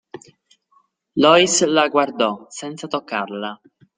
Lois la guardò, senza toccarla.